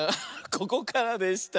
ここからでした。